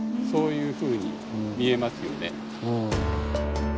そういうふうに見えますよね。